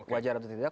wajar atau tidak